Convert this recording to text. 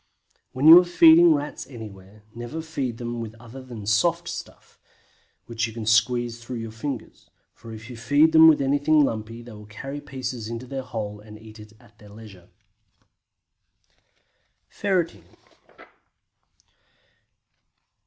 When you are feeding Rats anywhere, never feed them with other than soft stuff, which you can squeeze through your fingers, for if you feed them with anything lumpy, they will carry pieces into their holes and eat at their leisure. FERRETING.